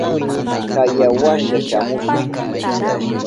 Kaya washa shamusha.